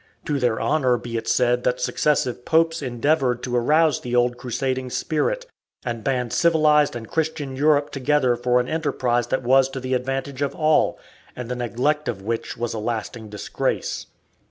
To their honour be it said that successive Popes endeavoured to arouse the old crusading spirit, and band civilized and Christian Europe together for an enterprise that was to the advantage of all, and the neglect of which was a lasting disgrace.